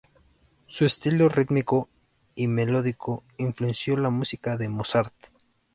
Su estilo rítmico y melódico influenció la música de Mozart.